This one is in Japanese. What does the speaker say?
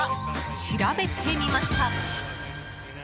調べてみました。